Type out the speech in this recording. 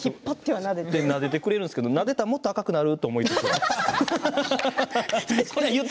なでてくれるんですけどなでたらもっと赤くなるって。